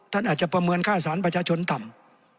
ท่านอาจจะประเมินค่าสารประชาชนต่ำ